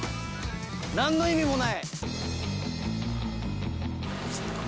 なんの意味もない。